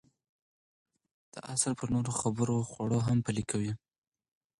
دا اصل پر نورو خوړو هم پلي کېږي.